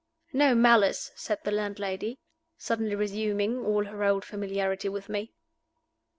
"No malice," said the landlady, suddenly resuming all her old familiarity with me.